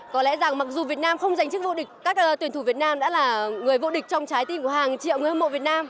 có lẽ rằng mặc dù việt nam không giành chức vô địch các tuyển thủ việt nam đã là người vô địch trong trái tim của hàng triệu người hâm mộ việt nam